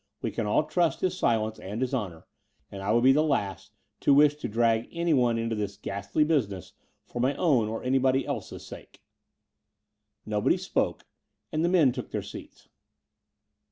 We can all trust his silence and his honour; and I would be the last to wish to drag any one into this ghastly business for my own or anybody else's sake." Nobody spoke; and the men took their seats.